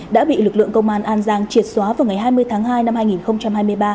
đã bị lực lượng công an an giang triệt xóa vào ngày hai mươi tháng hai năm hai nghìn hai mươi ba